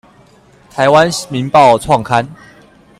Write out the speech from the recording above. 臺灣民報創刊